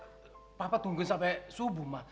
iya papa tungguin sampe subuh ma